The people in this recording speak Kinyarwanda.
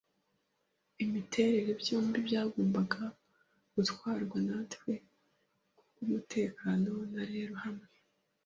imiterere. Byombi byagombaga gutwarwa natwe kubwumutekano; na rero, hamwe